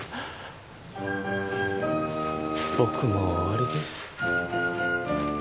僕も終わりです